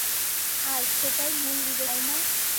আর, সেটাই মূল বিবেচ্য, তাই না?